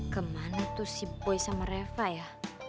ke mana tuh si boy sama reva ya